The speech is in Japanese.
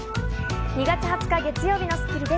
２月２０日、月曜日の『スッキリ』です。